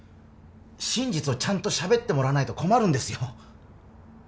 真実をちゃんと喋ってもらわないと困るんですよ